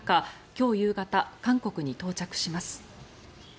今日夕方、韓国に到着します。